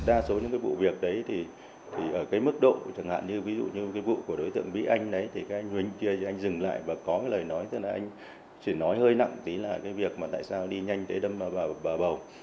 anh ấy thì cái anh huynh kia thì anh dừng lại và có cái lời nói tức là anh chỉ nói hơi nặng tí là cái việc mà tại sao đi nhanh thế đâm vào bà bầu